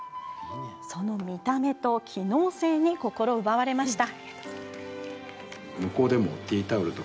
その見た目と機能性に心奪われました。